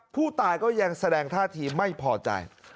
ผู้ตายก็ยังแสดงท่าทีไม่พอใจ